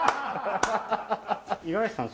五十嵐さん